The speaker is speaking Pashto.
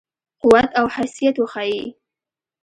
قوت او حیثیت وښيي.